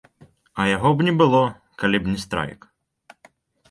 А яго б не было, калі б не страйк.